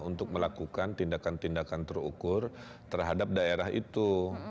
untuk melakukan tindakan tindakan terukur terhadap daerah itu